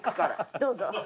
どうぞ。